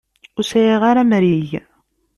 Ur sɛiɣ ara amrig.